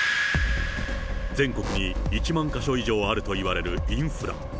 全国に１万か所以上あるといわれるインフラ。